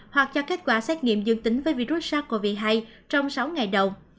hoặc cho kết quả xét nghiệm dương tính với virus sars cov hai trong sáu ngày đầu